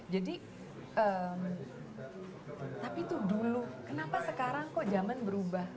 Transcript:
jadi tapi itu dulu kenapa sekarang kok zaman berubah